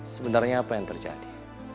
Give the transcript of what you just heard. sebenarnya apa yang terjadi